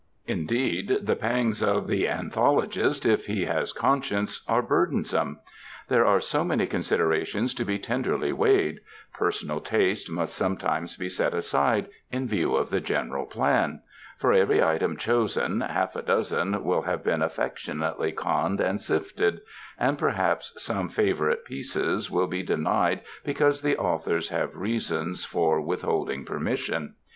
Indeed the pangs of the anthologist, if he has conscience, are burdensome. There are so many considerations to be tenderly weighed; personal taste must sometimes be set aside in view of the general plan; for every item chosen half a dozen will have been affectionately conned and sifted; and perhaps some favorite pieces will be denied because the authors have reasons for withholding permission.